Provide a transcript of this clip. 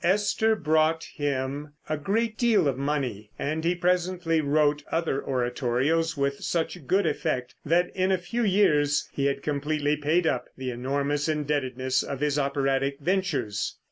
"Esther" brought him a great deal of money, and he presently wrote other oratorios with such good effect that in a very few years he had completely paid up the enormous indebtedness of his operatic ventures.